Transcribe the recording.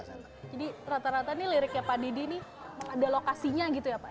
jadi rata rata nih liriknya pak didi ini ada lokasinya gitu ya pak